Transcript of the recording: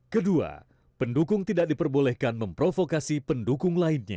kedua pendukung tidak diperbolehkan memprovokasi pendukung lainnya